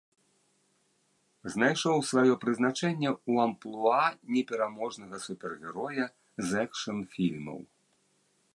Знайшоў сваё прызначэнне ў амплуа непераможнага супергероя з экшн-фільмаў.